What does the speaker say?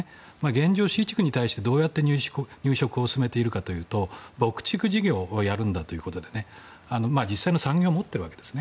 現状、Ｃ地区に対してどうやって入植を進めているかというと牧畜事業をやるんだということで実際の産業を持ってるわけです。